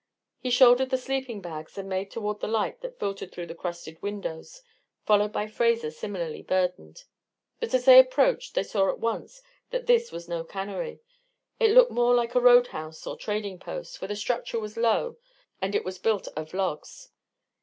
He shouldered the sleeping bags, and made toward the light that filtered through the crusted windows, followed by Fraser similarly burdened. But as they approached they saw at once that this was no cannery; it looked more like a road house or trading post, for the structure was low and it was built of logs.